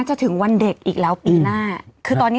จะถึงวันเด็กอีกแล้วปีหน้า